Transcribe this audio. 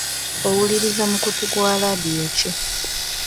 Owuliriza mukutu gwa laadiyo ki?